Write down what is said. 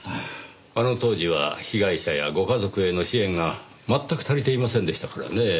あの当時は被害者やご家族への支援が全く足りていませんでしたからねぇ。